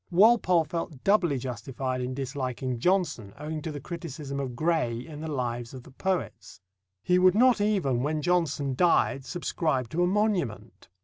Walpole felt doubly justified in disliking Johnson owing to the criticism of Gray in the Lives of the Poets. He would not even, when Johnson died, subscribe to a monument.